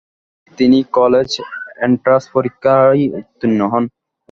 তিনি college entrance পরীক্ষায় উত্তীর্ণ হন।